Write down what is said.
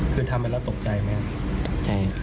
คือทำไปแล้วตกใจมั้ย